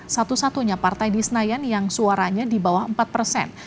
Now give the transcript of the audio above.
satu satunya partai di senayan yang suaranya di bawah empat persen